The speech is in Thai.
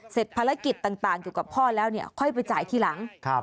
เสร็จภารกิจต่างเกี่ยวกับพ่อแล้วค่อยไปจ่ายทีหลัง